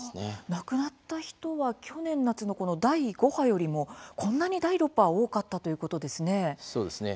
亡くなった人は去年夏のこの第５波よりもこんなに第６波は多かったということですね。